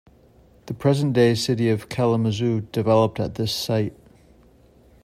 The present-day city of Kalamazoo developed at this site.